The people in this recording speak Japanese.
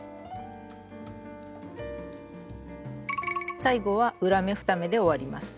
最後は裏目２目で終わります。